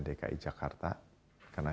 dki jakarta karena